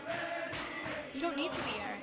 " You don't need to be, Eric.